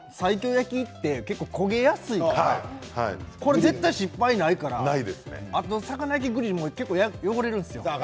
焼きって焦げやすいからこれは絶対に失敗がないからあと、魚焼きグリルも結構汚れるんですよ。